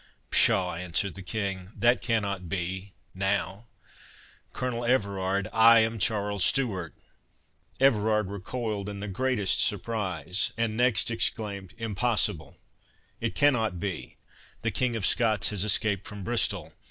"Pshaw!" answered the King, "that cannot be now—Colonel Everard, I am CHARLES STEWART!" Everard recoiled in the greatest surprise, and next exclaimed, "Impossible—it cannot be! The King of Scots has escaped from Bristol.